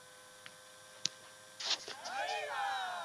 uligubikwa na matendo ya udanganyifu pamoja